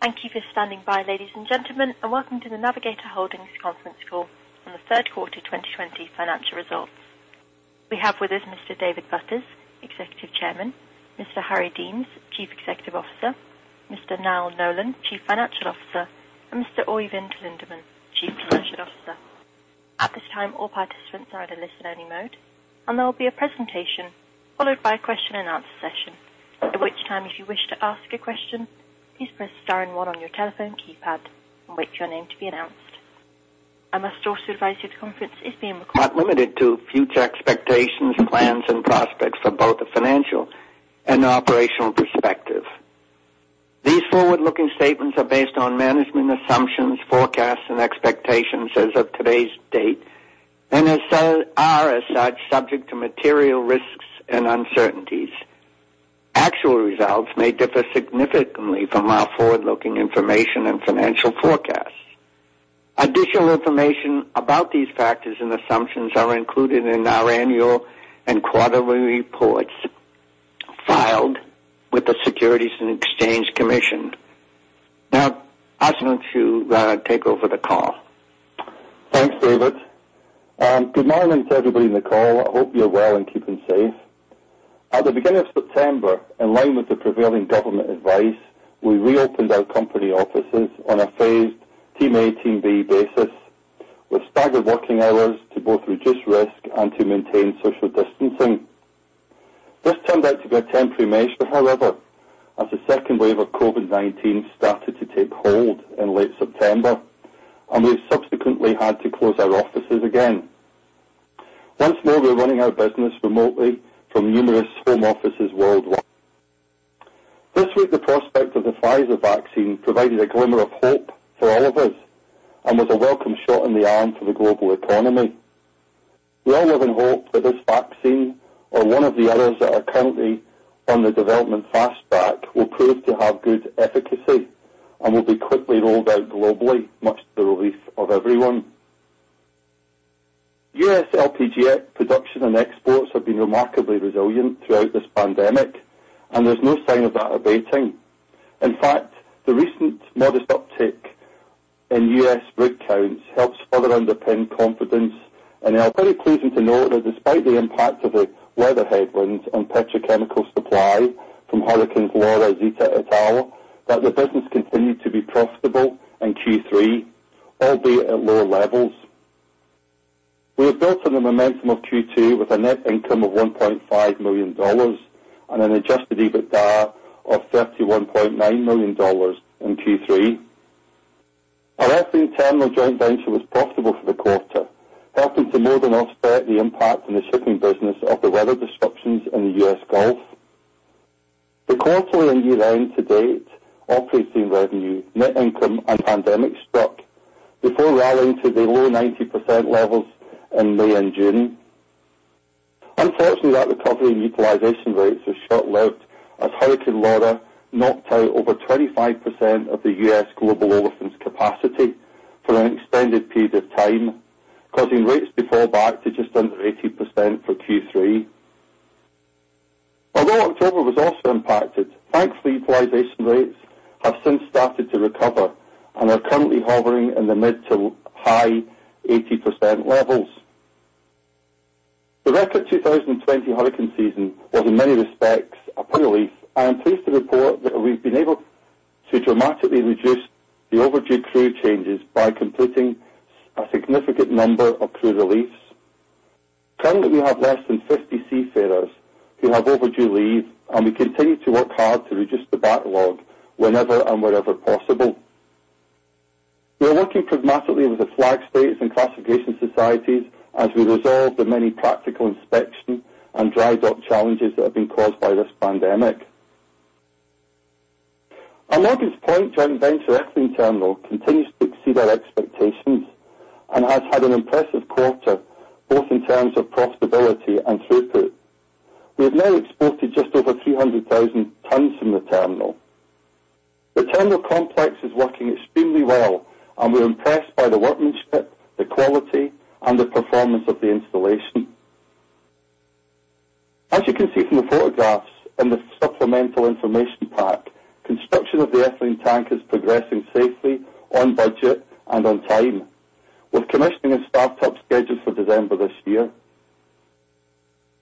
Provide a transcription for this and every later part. Thank you for standing by, ladies and gentlemen, and welcome to the Navigator Holdings Conference Call on the Third Quarter 2020 Financial Results. We have with us Mr. David Butters, Executive Chairman, Mr. Harry Deans, Chief Executive Officer, Mr. Niall Nolan, Chief Financial Officer, and Mr. Oeyvind Lindeman, Chief Commercial Officer. At this time, all participants are in a listen-only mode, and there will be a presentation followed by a question-and-answer session. I must also advise you the conference is being recorded. Limited to future expectations, plans and prospects for both the financial and operational perspective. These forward-looking statements are based on management assumptions, forecasts, and expectations as of today's date, and are as such, subject to material risks and uncertainties. Actual results may differ significantly from our forward-looking information and financial forecasts. Additional information about these factors and assumptions are included in our annual and quarterly reports filed with the Securities and Exchange Commission. Now, I ask you to take over the call. Thanks, David. Good morning to everybody in the call. I hope you're well and keeping safe. At the beginning of September, in line with the prevailing government advice, we reopened our company offices on a phased Team A, Team B basis, with staggered working hours to both reduce risk and to maintain social distancing. This turned out to be a temporary measure, however, as the second wave of COVID-19 started to take hold in late September, and we've subsequently had to close our offices again. Once more, we're running our business remotely from numerous home offices worldwide. This week, the prospect of the Pfizer vaccine provided a glimmer of hope for all of us and was a welcome shot in the arm for the global economy. We all live in hope that this vaccine or one of the others that are currently on the development fast track will prove to have good efficacy and will be quickly rolled out globally, much to the relief of everyone. U.S. LPG production and exports have been remarkably resilient throughout this pandemic, and there's no sign of that abating. In fact, the recent modest uptick in U.S. rig counts helps further underpin confidence, and are very pleasing to know that despite the impact of the weather headwinds on petrochemical supply from hurricanes Laura, Zeta, et al, that the business continued to be profitable in Q3, albeit at low levels. We have built on the momentum of Q2 with a net income of $1.5 million and an adjusted EBITDA of $31.9 million in Q3. Our Ethylene Terminal joint venture was profitable for the quarter, helping to more than offset the impact on the shipping business of the weather disruptions in the U.S. Gulf. The quarterly and year-to-date operating revenue, net income and pandemic struck before rallying to the low 90% levels in May and June. Unfortunately, that recovery in utilization rates was short-lived as Hurricane Laura knocked out over 25% of the U.S. Gulf export capacity for an extended period of time, causing rates to fall back to just under 80% for Q3. Although October was also impacted, thankfully, utilization rates have since started to recover and are currently hovering in the mid to high 80% levels. The record 2020 hurricane season was in many respects a relief. I am pleased to report that we've been able to dramatically reduce the overdue crew changes by completing a significant number of crew reliefs. Currently, we have less than 50 seafarers who have overdue leave, and we continue to work hard to reduce the backlog whenever and wherever possible. We are working pragmatically with the flag states and classification societies as we resolve the many practical inspection and dry dock challenges that have been caused by this pandemic. Our Morgan's Point joint venture Ethylene Terminal continues to exceed our expectations and has had an impressive quarter, both in terms of profitability and throughput. We have now exported just over 300,000 tons from the terminal. The terminal complex is working extremely well, we're impressed by the workmanship, the quality, and the performance of the installation. As you can see from the photographs in the supplemental information pack, construction of the ethylene tank is progressing safely, on budget, and on time, with commissioning and startup scheduled for December this year.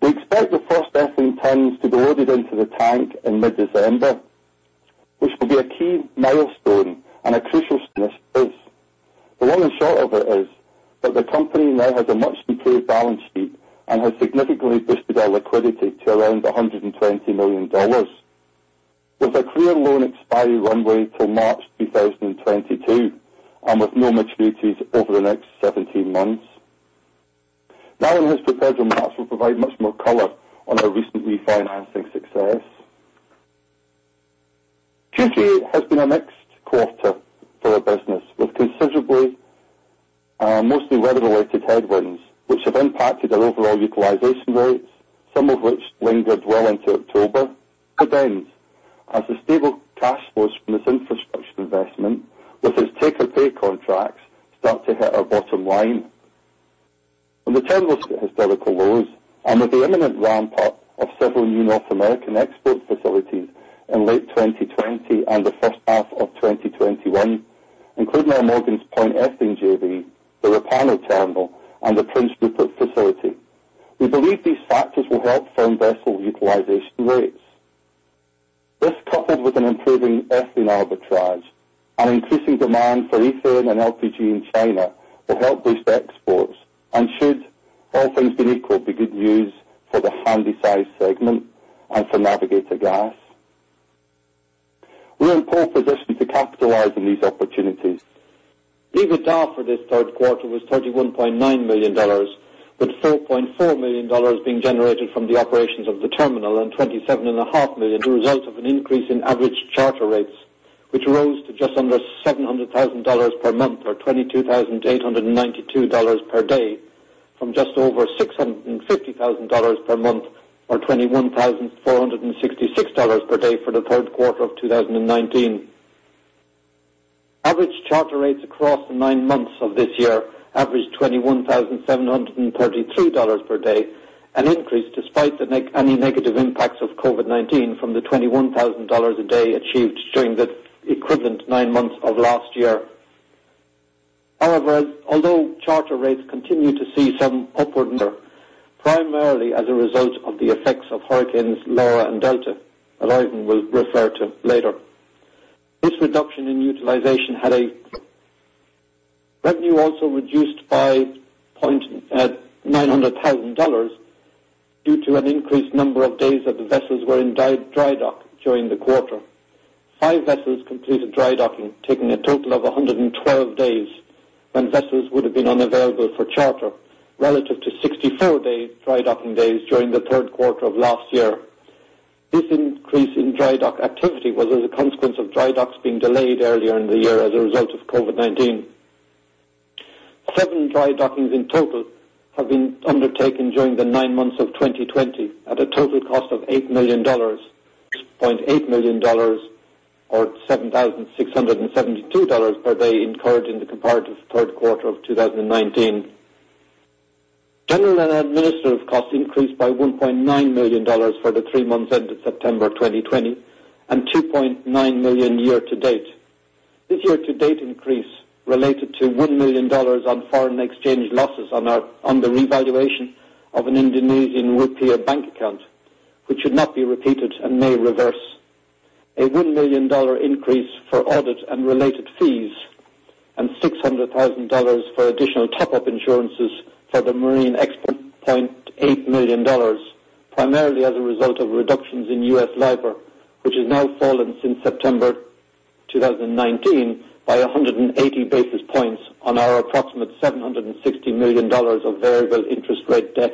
We expect the first ethylene tons to be loaded into the tank in mid-December, which will be a key milestone and a crucial first. The long and short of it is that the company now has a much-improved balance sheet and has significantly boosted our liquidity to around $120 million, with our current loan expiry runway till March 2022 and with no maturities over the next 17 months. Niall in his prepared remarks will provide much more color on our recent refinancing success. Q3 has been a mixed quarter for our business, with considerably, mostly weather-related headwinds, which have impacted our overall utilization rates, some of which lingered well into October. It could end as a stable cash flow from this infrastructure investment, with its take-or-pay contracts start to hit our bottom line. The terminal historical lows, and with the imminent ramp-up of several new North American export facilities in late 2020 and the first half of 2021, including our Morgan's Point Ethylene Terminal, the Repauno Terminal, and the Prince Rupert facility. We believe these factors will help firm vessel utilization rates. This, coupled with an improving ethylene arbitrage and increasing demand for ethane and LPG in China, will help boost exports and should, all things being equal, be good news for the handysize segment and for Navigator Gas. We are in pole position to capitalize on these opportunities. EBITDA for this third quarter was $31.9 million, with $4.4 million being generated from the operations of the terminal and $27.5 million the result of an increase in average charter rates, which rose to just under $700,000 per month or $22,892 per day from just over $650,000 per month or $21,466 per day for the third quarter of 2019. Average charter rates across the nine months of this year averaged $21,733 per day, an increase despite any negative impacts of COVID-19 from the $21,000 a day achieved during the equivalent nine months of last year. Although charter rates continue to see some upward primarily as a result of the effects of hurricanes Laura and Delta, that Oeyvind will refer to later. Revenue also reduced by $900,000 due to an increased number of days that the vessels were in dry dock during the quarter. five vessels completed dry docking, taking a total of 112 days when vessels would have been unavailable for charter, relative to 64 dry docking days during the third quarter of last year. This increase in dry dock activity was as a consequence of dry docks being delayed earlier in the year as a result of COVID-19. seven dry dockings in total have been undertaken during the nine months of 2020 at a total cost of $8 million, $6.8 million, or $7,672 per day incurred in the comparative third quarter of 2019. General and administrative costs increased by $1.9 million for the three months ended September 2020 and $2.9 million year to date. This year-to-date increase related to $1 million on foreign exchange losses on the revaluation of an Indonesian rupiah bank account, which should not be repeated and may reverse. A $1 million increase for audit and related fees and $600,000 for additional top-up insurances for the marine $0.8 million, primarily as a result of reductions in U.S. LIBOR, which has now fallen since September 2019 by 180 basis points on our approximate $760 million of variable interest rate debt.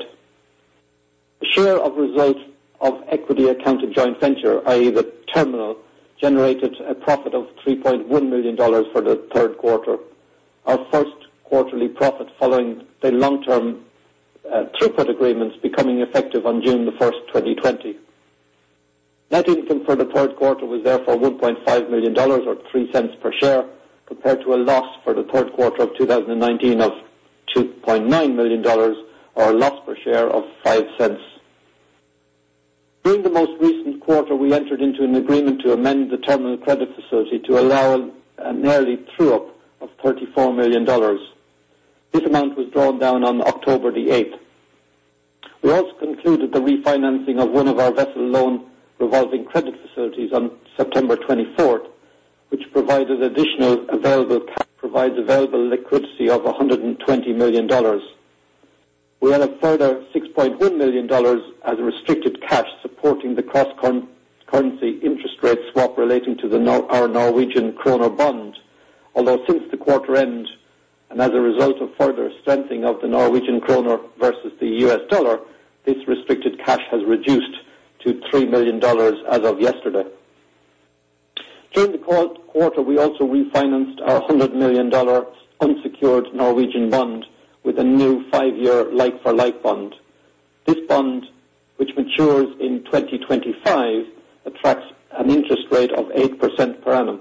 The share of results of equity accounted joint venture, i.e., the terminal, generated a profit of $3.1 million for the third quarter. Our first quarterly profit following the long-term throughput agreements becoming effective on June 1st, 2020. Net income for the third quarter was therefore $1.5 million, or $0.03 per share, compared to a loss for the third quarter of 2019 of $2.9 million, or a loss per share of $0.05. During the most recent quarter, we entered into an agreement to amend the terminal credit facility to allow an early true-up of $34 million. This amount was drawn down on October 8th. We also concluded the refinancing of one of our vessel loan revolving credit facilities on September 24th, which provides available liquidity of $120 million. We had a further $6.1 million as restricted cash supporting the cross-currency interest rate swap relating to our Norwegian kroner bond. Although since the quarter end, and as a result of further strengthening of the Norwegian kroner versus the US dollar, this restricted cash has reduced to $3 million as of yesterday. During the quarter, we also refinanced our $100 million unsecured Norwegian bond with a new five-year like-for-like bond. This bond, which matures in 2025, attracts an interest rate of 8% per annum.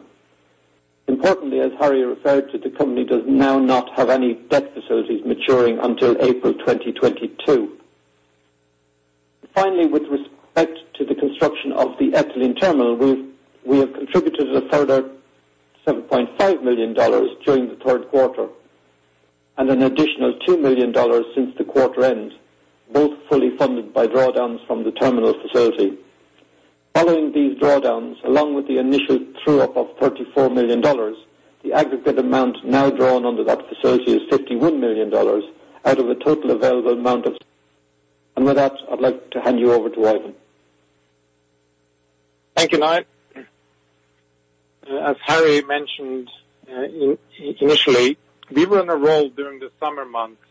Importantly, as Harry referred to, the company does now not have any debt facilities maturing until April 2022. Finally, with respect to the construction of the Ethylene Terminal, we have contributed a further $7.5 million during the third quarter and an additional $2 million since the quarter end, both fully funded by drawdowns from the terminal facility. Following these drawdowns, along with the initial true-up of $34 million, the aggregate amount now drawn under that facility is $51 million out of a total available amount. With that, I'd like to hand you over to Oeyvind. Thank you, Niall. As Harry mentioned initially, we were on a roll during the summer months,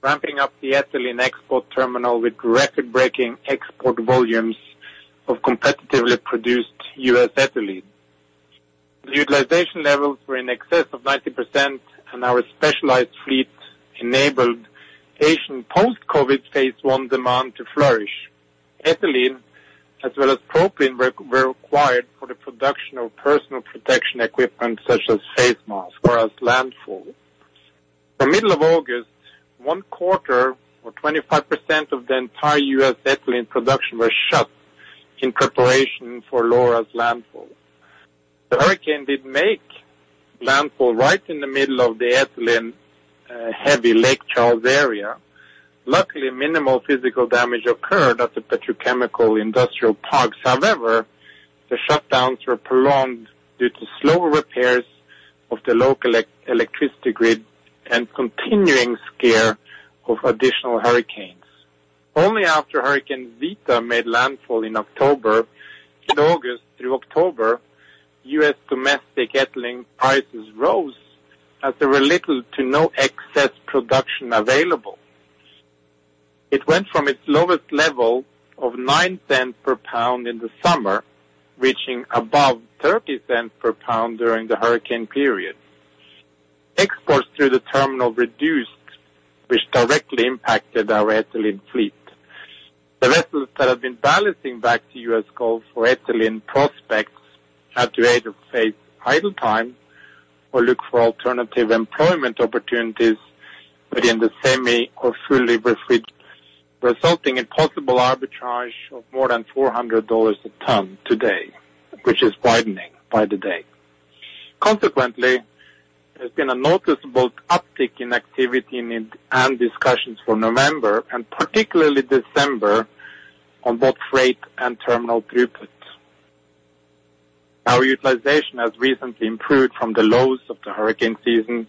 ramping up the Ethylene Terminal with record-breaking export volumes of competitively produced U.S. ethylene. The utilization levels were in excess of 90%, and our specialized fleet enabled Asian post-COVID-19 phase I demand to flourish. Ethylene, as well as propane, were required for the production of personal protection equipment such as face masks or as landfall. The middle of August, one quarter or 25% of the entire U.S. ethylene production was shut in preparation for Laura's landfall. The hurricane did make landfall right in the middle of the ethylene-heavy Lake Charles area. Luckily, minimal physical damage occurred at the petrochemical industrial parks. However, the shutdowns were prolonged due to slow repairs of the local electricity grid and continuing scare of additional hurricanes. Only after Hurricane Zeta made landfall in October, in August through October, U.S. domestic ethylene prices rose as there were little to no excess production available. It went from its lowest level of $0.09 per pound in the summer, reaching above $0.30 per pound during the hurricane period. Exports through the terminal reduced, which directly impacted our ethylene fleet. The vessels that have been ballasting back to U.S. Gulf for ethylene prospects had to either take idle time or look for alternative employment opportunities, but in the semi or fully refrigerated, resulting in possible arbitrage of more than $400 a ton today, which is widening by the day. There's been a noticeable uptick in activity and discussions for November, and particularly December, on both freight and terminal throughputs. Our utilization has recently improved from the lows of the hurricane season,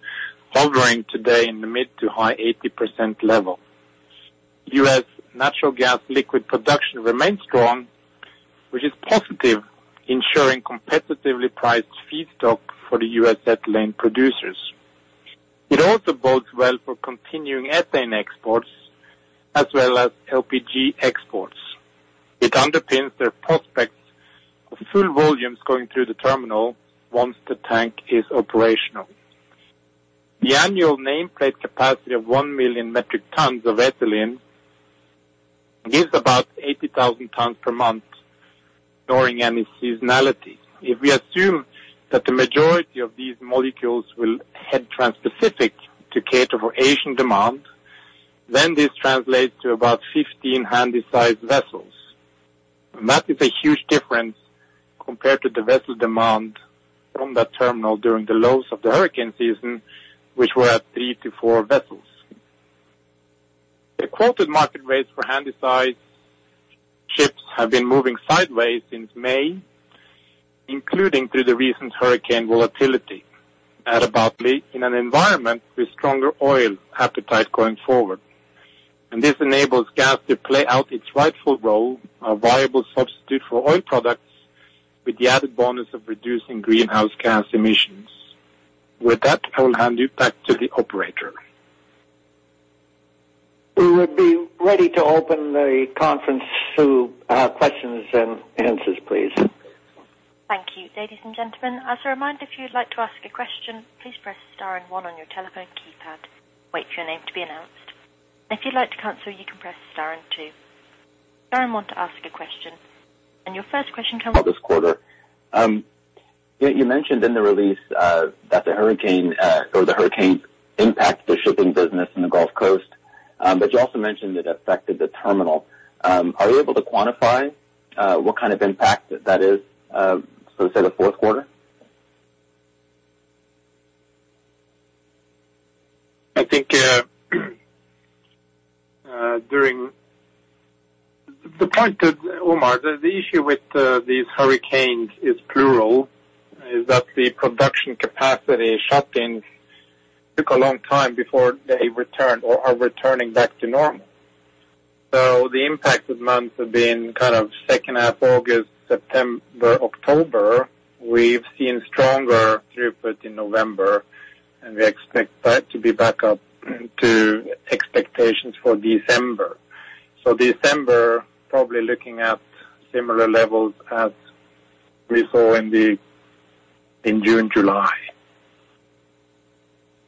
hovering today in the mid to high 80% level. U.S. natural gas liquid production remains strong, which is positive, ensuring competitively priced feedstock for the U.S. ethylene producers. It also bodes well for continuing ethane exports as well as LPG exports. It underpins their prospects of full volumes going through the terminal once the tank is operational. The annual nameplate capacity of 1 million metric tons of ethylene gives about 80,000 tons per month ignoring any seasonality. If we assume that the majority of these molecules will head transpacific to cater for Asian demand, then this translates to about 15 handysize vessels. That is a huge difference compared to the vessel demand from that terminal during the lows of the hurricane season, which were at three to four vessels. The quoted market rates for handysize ships have been moving sideways since May, including through the recent hurricane volatility at least in an environment with stronger oil appetite going forward. This enables gas to play out its rightful role, a viable substitute for oil products, with the added bonus of reducing greenhouse gas emissions. With that, I will hand you back to the operator. We would be ready to open the conference to questions-and-answers, please. Thank you. Your first question comes. This quarter, you mentioned in the release that the hurricane or the hurricanes impact the shipping business in the Gulf Coast, but you also mentioned it affected the terminal. Are you able to quantify what kind of impact that is for, say, the fourth quarter? Omar, the issue with these hurricanes is that the production capacity shutting took a long time before they returned or are returning back to normal. The impacted months have been kind of second half August, September, October. We've seen stronger throughput in November, and we expect that to be back up to expectations for December. December, probably looking at similar levels as we saw in June, July.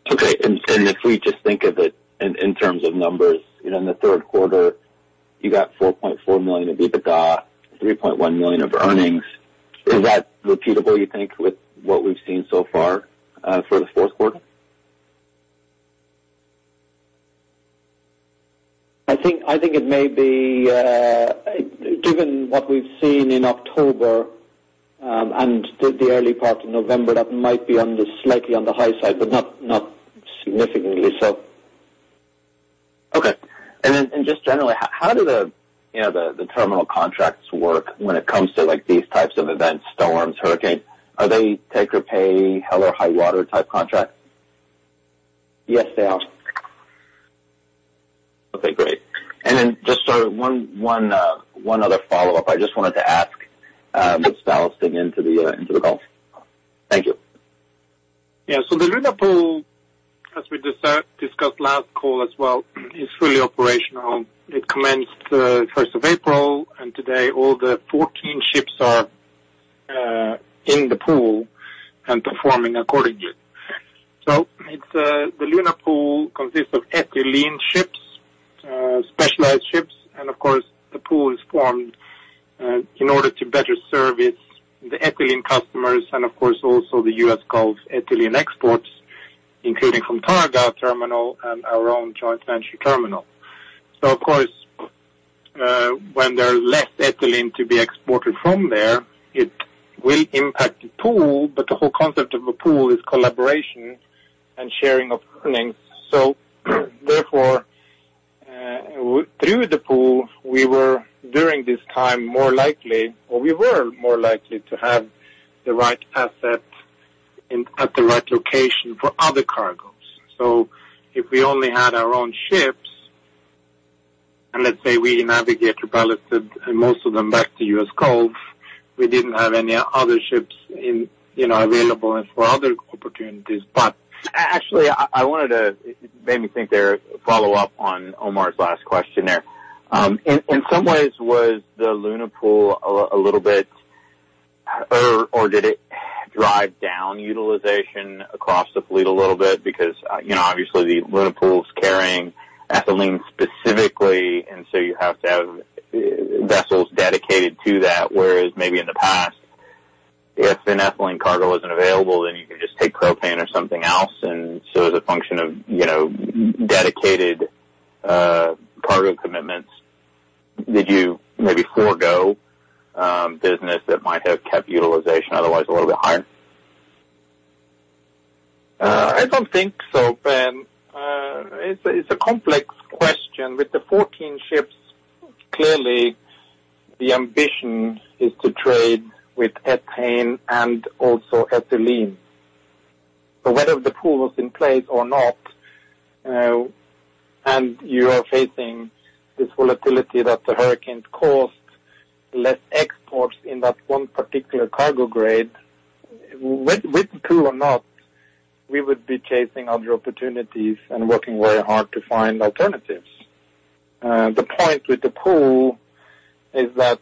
Okay. If we just think of it in terms of numbers, in the third quarter, you got $4.4 million of EBITDA, $3.1 million of earnings. Is that repeatable, you think, with what we've seen so far for the fourth quarter? I think it may be, given what we've seen in October, and the early part of November, that might be slightly on the high side, but not significantly so. Okay. Just generally, how do the terminal contracts work when it comes to these types of events, storms, hurricanes? Are they take-or-pay, hell or high water type contracts? Yes, they are. Okay, great. Then just sorry, one other follow-up. I just wanted to ask with ballasting into the Gulf. Thank you. Yeah. The Luna Pool, as we discussed last call as well, is fully operational. It commenced the 1st of April, and today all the 14 ships are in the pool and performing accordingly. The Luna Pool consists of ethylene ships, specialized ships, and of course, the pool is formed in order to better service the ethylene customers and of course also the U.S. Gulf's ethylene exports, including from Targa terminal and our own joint venture terminal. Of course, when there's less ethylene to be exported from there, it will impact the pool, but the whole concept of a pool is collaboration and sharing of earnings. Therefore, through the pool, we were, during this time, more likely to have the right asset at the right location for other cargoes. If we only had our own ships, and let's say we navigate to ballasted and most of them back to U.S. Gulf, we didn't have any other ships available for other opportunities. Actually, I wanted to, it made me think there, follow up on Omar's last question there. In some ways, was the Luna Pool a little bit, or did it drive down utilization across the fleet a little bit? Obviously the Luna Pool's carrying ethylene specifically, you have to have vessels dedicated to that. Maybe in the past, if an ethylene cargo isn't available, you could just take propane or something else. As a function of dedicated cargo commitments, did you maybe forego business that might have kept utilization otherwise a little bit higher? I don't think so, Ben. It's a complex question. With the 14 ships, clearly the ambition is to trade with ethane and also ethylene. Whether the pool was in place or not, and you are facing this volatility that the hurricanes caused, less exports in that one particular cargo grade, with pool or not, we would be chasing other opportunities and working very hard to find alternatives. The point with the pool is that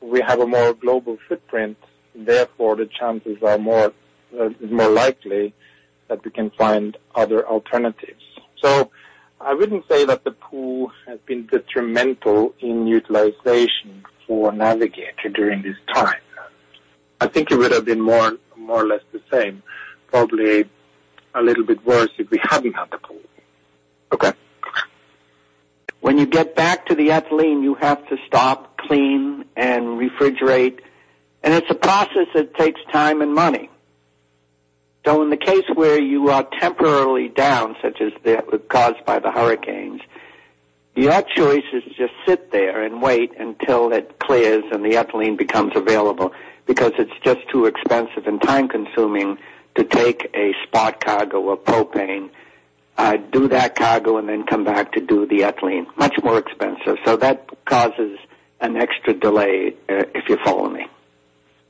we have a more global footprint, therefore, the chances are more likely that we can find other alternatives. I wouldn't say that the pool has been detrimental in utilization for Navigator during this time. I think it would've been more or less the same, probably a little bit worse if we hadn't had the pool. Okay. When you get back to the ethylene, you have to stop, clean, and refrigerate. It's a process that takes time and money. In the case where you are temporarily down, such as caused by the hurricanes, your choice is to just sit there and wait until it clears and the ethylene becomes available because it's just too expensive and time-consuming to take a spot cargo of propane, do that cargo, and then come back to do the ethylene. Much more expensive. That causes an extra delay, if you follow me.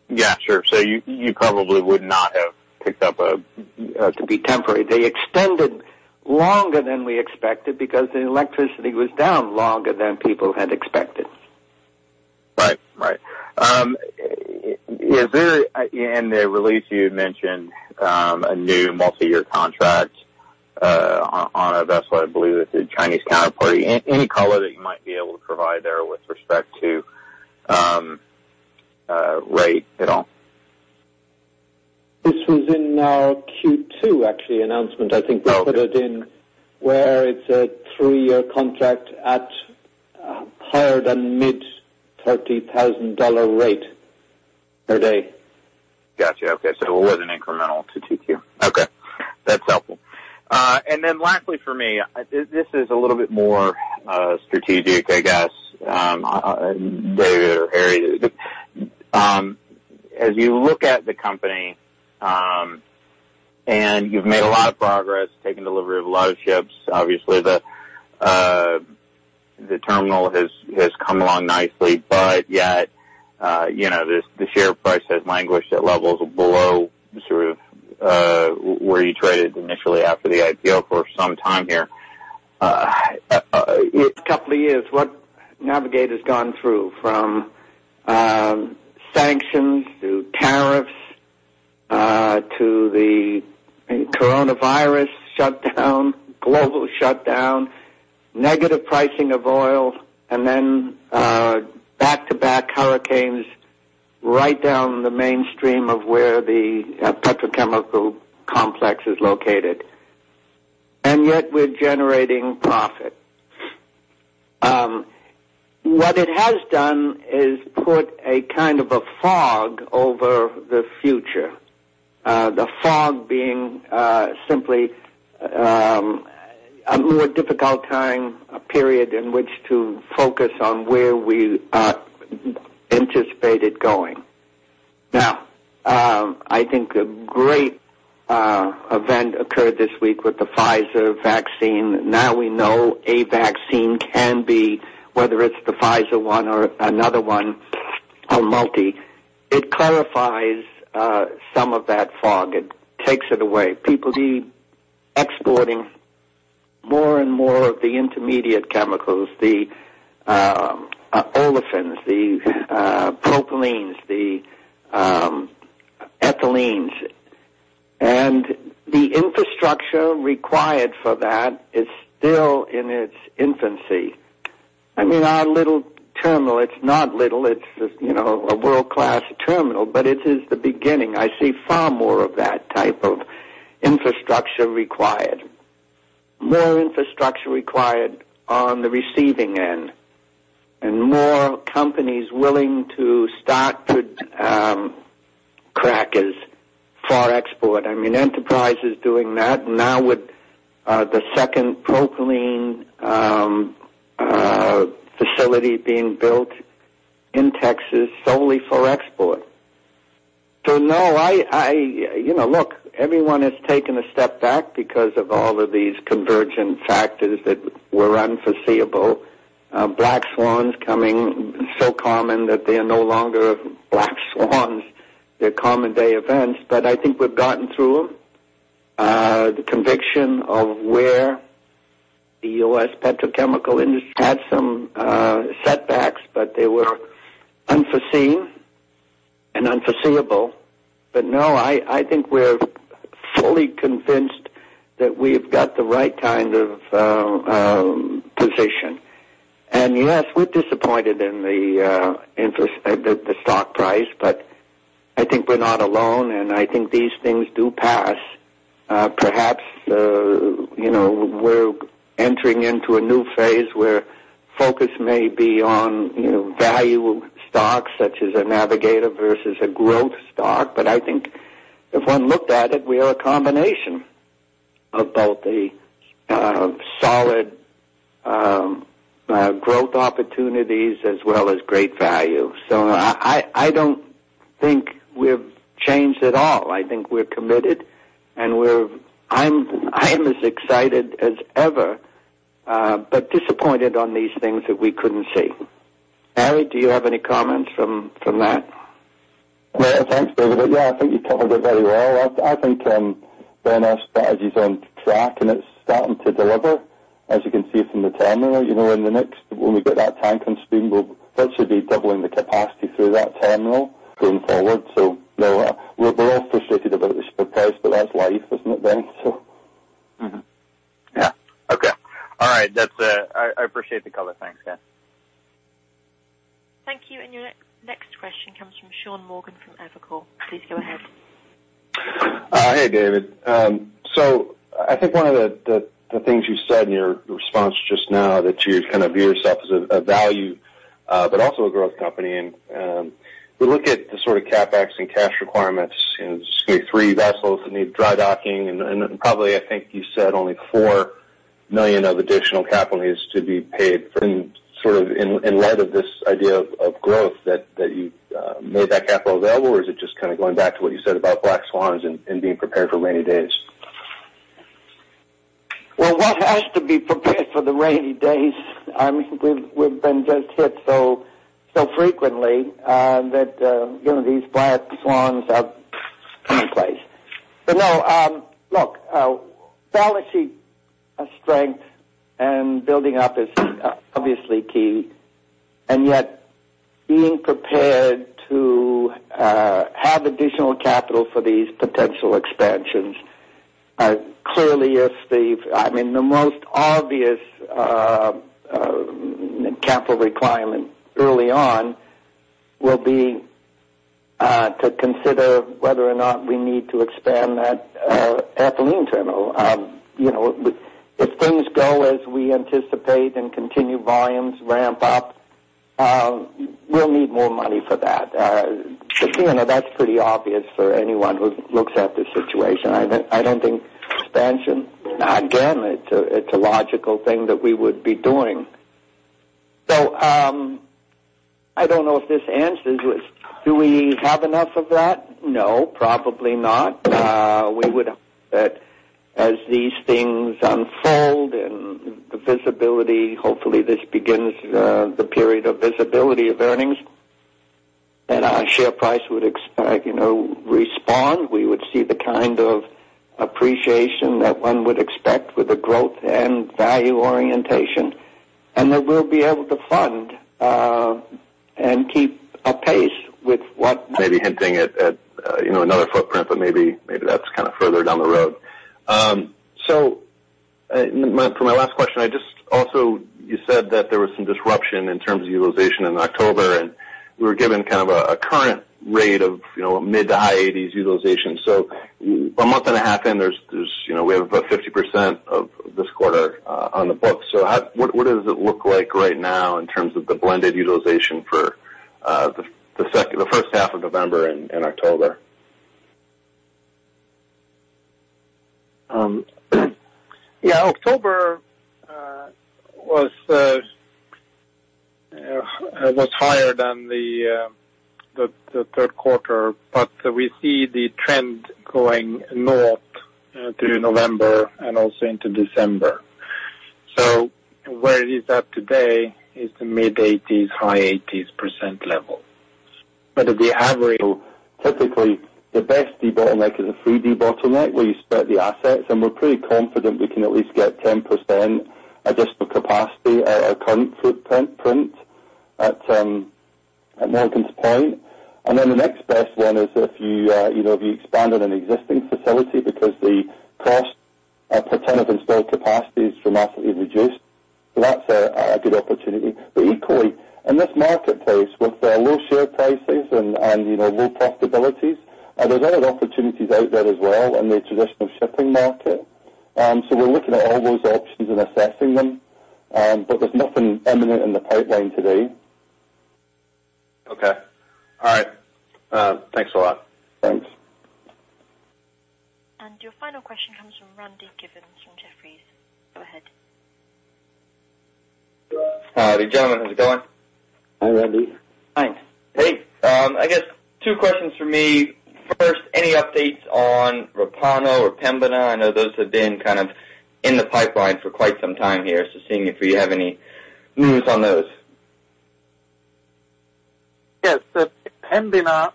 Yeah, sure. You probably would not have picked up. To be temporary. They extended longer than we expected because the electricity was down longer than people had expected. Right. In the release, you had mentioned a new multi-year contract on a vessel, I believe it's a Chinese counterparty. Any color that you might be able to provide there with respect to rate at all? This was in our Q2, actually, announcement. I think we put it in where it's a three year contract at higher than mid $30,000 rate per day. Got you. Okay. It was an incremental to 2-Q. Okay. That's helpful. Lastly for me, this is a little bit more strategic, I guess, area. As you look at the company, and you've made a lot of progress, taken delivery of a lot of ships. Obviously, the terminal has come along nicely. The share price has languished at levels below sort of where you traded initially after the IPO for some time here. A couple of years, what Navigator's gone through, from sanctions to tariffs, to the COVID-19 shutdown, global shutdown, negative pricing of oil, and then back-to-back hurricanes right down the mainstream of where the petrochemical complex is located. Yet we're generating profit. What it has done is put a kind of a fog over the future. The fog being simply a more difficult time, a period in which to focus on where we are anticipated going. I think a great event occurred this week with the Pfizer vaccine. We know a vaccine can be, whether it's the Pfizer one or another one. It clarifies some of that fog. It takes it away. More and more of the intermediate chemicals, the olefins, the propylenes, the ethylenes. The infrastructure required for that is still in its infancy. Our little terminal, it's not little, it's a world-class terminal, but it is the beginning. I see far more of that type of infrastructure required. More infrastructure required on the receiving end, and more companies willing to start to crack as far export. Enterprise is doing that now with the second propylene facility being built in Texas solely for export. No. Look, everyone has taken a step back because of all of these convergent factors that were unforeseeable. Black swans coming so common that they are no longer black swans. They're common day events. I think we've gotten through them. The conviction of where the U.S. petrochemical industry had some setbacks, but they were unforeseen and unforeseeable. No, I think we're fully convinced that we've got the right kind of position. Yes, we're disappointed in the stock price, but I think we're not alone, and I think these things do pass. Perhaps, we're entering into a new phase where focus may be on value stocks, such as a Navigator versus a growth stock. I think if one looked at it, we are a combination of both a solid growth opportunities as well as great value. I don't think we've changed at all. I think we're committed, and I'm as excited as ever. Disappointed on these things that we couldn't see. Harry, do you have any comments from that? Thanks, David. Yeah, I think you covered it very well. I think then our strategy's on track, and it's starting to deliver, as you can see from the terminal. In the next, when we get that tank on stream, we'll virtually be doubling the capacity through that terminal going forward. No, we're all frustrated about the stock price, but that's life, isn't it, Ben, so. Yeah. Okay. All right. I appreciate the color. Thanks, guys. Thank you. Your next question comes from Sean Morgan from Evercore. Please go ahead. Hey, David. I think one of the things you said in your response just now that you kind of view yourself as a value but also a growth company. We look at the sort of CapEx and cash requirements in handysize vessels that need dry docking and probably, I think you said only $4 million of additional capital needs to be paid from, sort of in light of this idea of growth that you made that capital available, or is it just kind of going back to what you said about black swans and being prepared for rainy days? Well, one has to be prepared for the rainy days. We've been just hit so frequently that these black swans are commonplace. No. Look, balance sheet strength and building up is obviously key, and yet being prepared to have additional capital for these potential expansions. Clearly, the most obvious capital requirement early on will be to consider whether or not we need to expand that Ethylene Terminal. If things go as we anticipate and continue volumes ramp up we'll need more money for that. That's pretty obvious for anyone who looks at the situation. I don't think expansion. Again, it's a logical thing that we would be doing. I don't know if this answers. Do we have enough of that? No, probably not. As these things unfold and the visibility, hopefully this begins the period of visibility of earnings, then our share price would expect respond. We would see the kind of appreciation that one would expect with the growth and value orientation. That we'll be able to fund, and keep a pace with. Maybe hinting at another footprint, but maybe that's kind of further down the road. For my last question, you said that there was some disruption in terms of utilization in October, and we were given kind of a current rate of mid to high 80s utilization. A month and a half in, we have about 50% of this quarter on the books. What does it look like right now in terms of the blended utilization for the first half of November and October? Yeah. October was higher than the third quarter, but we see the trend going north through November and also into December. Where it is at today is the mid-80s, high 80s% level. If you average, typically the best debottleneck is a free debottleneck where you spread the assets, and we're pretty confident we can at least get 10% additional capacity at our current footprint at Morgan's Point. Then the next best one is if you expand on an existing facility because the cost per ton of installed capacity is dramatically reduced. That's a good opportunity. Equally, in this marketplace, with low share prices and low profitabilities, there's a lot of opportunities out there as well in the traditional shipping market. We're looking at all those options and assessing them. There's nothing imminent in the pipeline today. Okay. All right. Thanks a lot. Thanks. Your final question comes from Randy Giveans from Jefferies. Go ahead. Howdy, gentlemen. How's it going? Hi, Randy. Hey. I guess two questions from me. Any updates on Repauno or Pembina? I know those have been kind of in the pipeline for quite some time here, so seeing if you have any news on those. Yes. Pembina,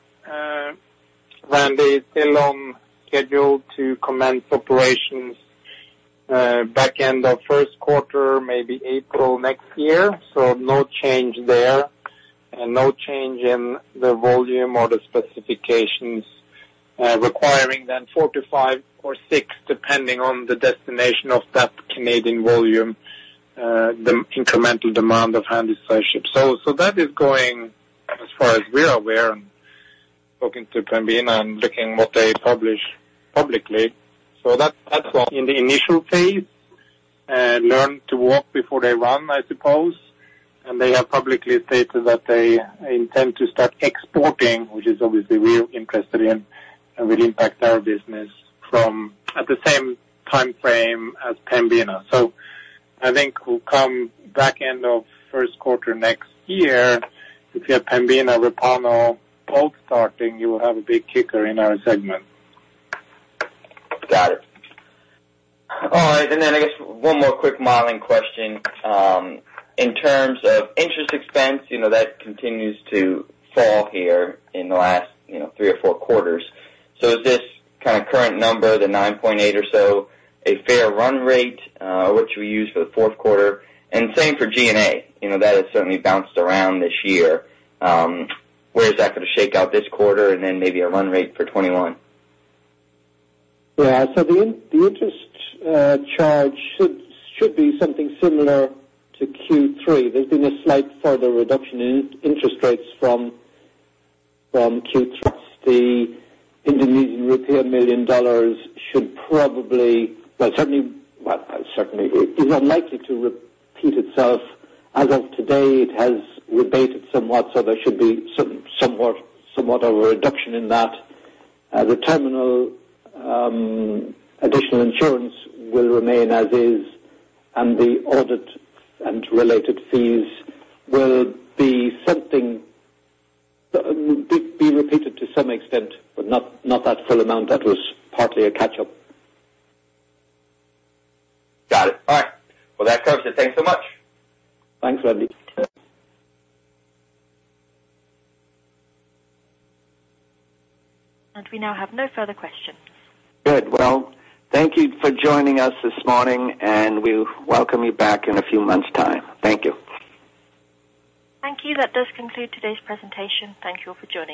Randy, is still on schedule to commence operations back end of first quarter, maybe April next year. No change there and no change in the volume or the specifications requiring then four to five or six, depending on the destination of that Canadian volume, the incremental demand of handysize ships. That is going as far as we are aware and talking to Pembina and looking what they publish publicly. That's in the initial phase, learn to walk before they run, I suppose. They have publicly stated that they intend to start exporting, which is obviously we're interested in and will impact our business from at the same timeframe as Pembina. I think we'll come back end of first quarter next year. If you have Pembina, Repauno both starting, you will have a big kicker in our segment. Got it. All right, I guess one more quick modeling question. In terms of interest expense, that continues to fall here in the last three or four quarters. Is this kind of current number, the $9.8 or so, a fair run rate, which we use for the fourth quarter? Same for G&A. That has certainly bounced around this year. Where is that going to shake out this quarter and then maybe a run rate for 2021? The interest charge should be something similar to Q3. There's been a slight further reduction in interest rates from Q3. The Indonesian rupiah $1 million should probably, well, certainly is unlikely to repeat itself. As of today, it has rebounded somewhat, so there should be somewhat of a reduction in that. The terminal additional insurance will remain as is, and the audit and related fees will be repeated to some extent, but not that full amount. That was partly a catch-up. Got it. All right. Well, that covers it. Thanks so much. Thanks, Randy. We now have no further questions. Good. Well, thank you for joining us this morning, and we welcome you back in a few months' time. Thank you. Thank you. That does conclude today's presentation. Thank you all for joining.